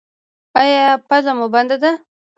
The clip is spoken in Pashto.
ایا پوزه مو بنده ده؟